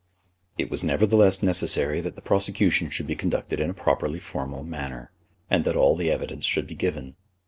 It was nevertheless necessary that the prosecution should be conducted in a properly formal manner, and that all the evidence should be given.